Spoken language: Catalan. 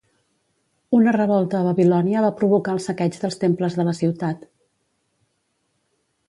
Una revolta a Babilònia va provocar el saqueig dels temples de la ciutat.